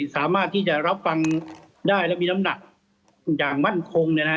สามารถที่จะรับฟังได้และมีน้ำหนักอย่างมั่นคง